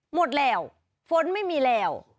หมดแล้วฝนไม่มีแล้ว